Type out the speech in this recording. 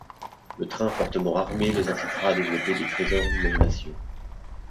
Le train fortement armé les incitera à développer des trésors d'imagination.